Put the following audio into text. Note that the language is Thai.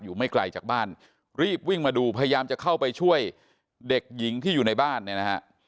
ไม่ไกลจากบ้านรีบวิ่งมาดูพยายามจะเข้าไปช่วยเด็กหญิงที่อยู่ในบ้านเนี่ยนะฮะ